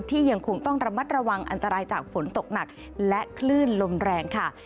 ยังคงต้องระมัดระวังอันตรายจากฝนตกหนักและคลื่นลมแรงค่ะ